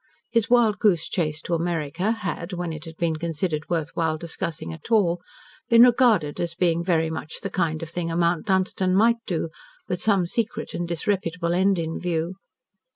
His wild goose chase to America had, when it had been considered worth while discussing at all, been regarded as being very much the kind of thing a Mount Dunstan might do with some secret and disreputable end in view.